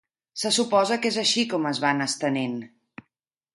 Se suposa que és així com es va anar estenent.